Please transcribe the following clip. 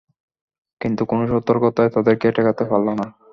কিন্তু কোন সতর্কতাই তাদেরকে ঠেকাতে পারল না।